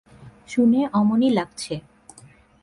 শুনে অমনই লাগছে।